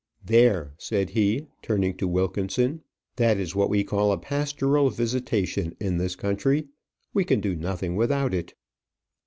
"There," said he, turning to Wilkinson, "that is what we call a pastoral visitation in this country. We can do nothing without it."